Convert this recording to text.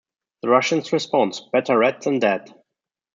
The Russian's response: Better red than dead.